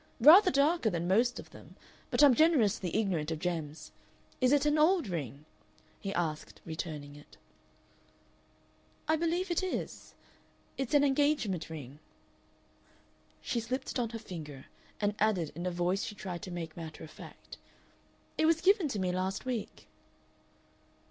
"Rather darker than most of them. But I'm generously ignorant of gems. Is it an old ring?" he asked, returning it. "I believe it is. It's an engagement ring...." She slipped it on her finger, and added, in a voice she tried to make matter of fact: "It was given to me last week."